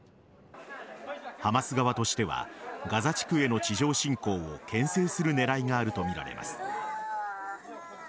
ハマス側としてはガザ地区への地上侵攻をけん制する狙いがあるとみられます。